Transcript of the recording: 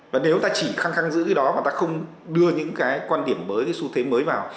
và nếu ta chỉ khăng khăng giữ cái đó mà ta không đưa những quan điểm mới xu thế mới vào